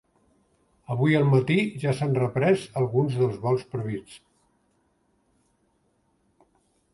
Avui al matí ja s’han reprès alguns dels vols prevists.